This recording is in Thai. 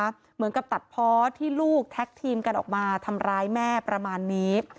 เหมือนกับตัดเพาะที่ลูกแท็กทีมกันออกมาทำร้ายแม่ประมาณนี้